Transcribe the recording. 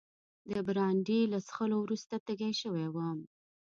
د برانډي له څښلو وروسته تږی شوی وم.